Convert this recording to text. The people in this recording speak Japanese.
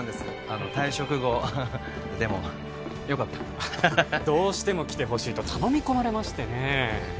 あの退職後でもよかったどうしても来てほしいと頼み込まれましてね